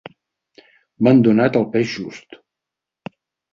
M'han donat el pes just.